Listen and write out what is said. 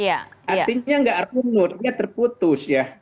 artinya tidak ada mood hanya terputus ya